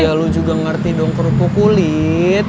ya lu juga ngerti dong kerupuk kulit